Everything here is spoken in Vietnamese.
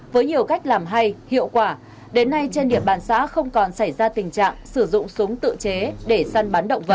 với nhiều cách làm hay hiệu quả đến nay trên địa bàn xã không còn xảy ra tình trạng sử dụng súng tự chế để săn bắn động vật